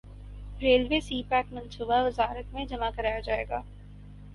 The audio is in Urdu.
ریلوے سی پیک منصوبہ وزارت میں جمع کرایا جائے گا